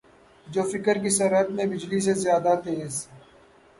جو فکر کی سرعت میں بجلی سے زیادہ تیز